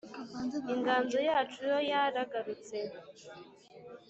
inganzo yacu ya ragutse,